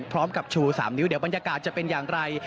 ชู๓นิ้วเดี๋ยวบรรยากาศจะเป็นอย่างไร